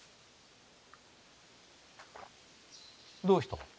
どうした？